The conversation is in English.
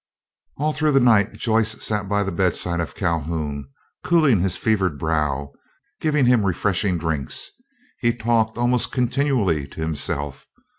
All through that night Joyce sat by the bedside of Calhoun cooling his fevered brow, giving him refreshing drinks. He talked almost continually to himself.